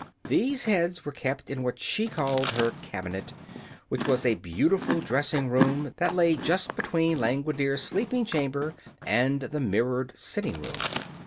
These heads were kept in what she called her "cabinet," which was a beautiful dressing room that lay just between Langwidere's sleeping chamber and the mirrored sitting room.